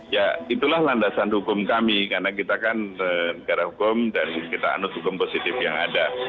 ya itulah landasan hukum kami karena kita kan negara hukum dan kita anus hukum positif yang ada